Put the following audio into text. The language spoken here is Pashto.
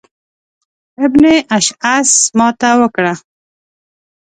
ابن اشعث ماته وکړه.